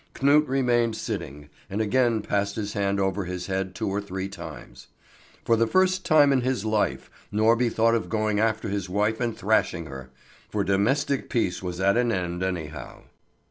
Knut remained sitting, and again passed his hand over his head two or three times. For the first time in his life Norby thought of going after his wife and thrashing her, for domestic peace was at an end anyhow.